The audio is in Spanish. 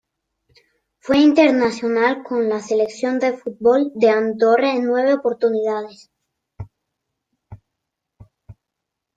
Fue internacional con la Selección de fútbol de Andorra en nueve oportunidades.